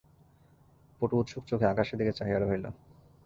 পটু উৎসুক চোখে আকাশের দিকে চাহিয়া রহিল।